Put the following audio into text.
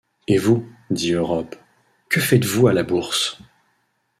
Et vous?... dit Europe, que faites-vous à la Bourse ?